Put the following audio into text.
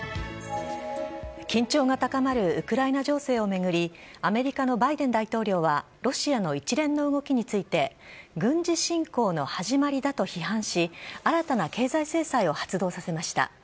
緊張が高まるウクライナ情勢を巡り、アメリカのバイデン大統領はロシアの一連の動きについて、軍事侵攻の始まりだと批判し、新たな経済制裁を発動させました。